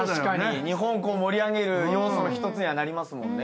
日本盛り上げる要素の一つにはなりますもんね。